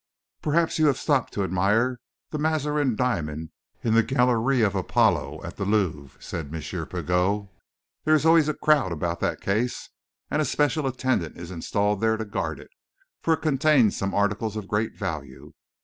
"Perhaps you have stopped to admire the Mazarin diamond in the galérie d'Apollon at the Louvre," said M. Pigot. "There is always a crowd about that case, and a special attendant is installed there to guard it, for it contains some articles of great value.